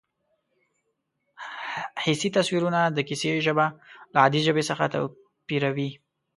حسي تصویرونه د کیسې ژبه له عادي ژبې څخه توپیروي